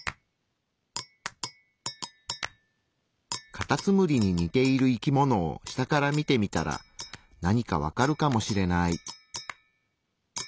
カタツムリに似ている生き物を下から見てみたらなにか分かるかもしれない。